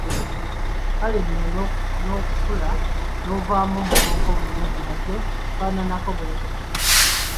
Kale nno n'okukula n'ovaamu omuvubuka omulungi nakyo kifaananako bwe kityo.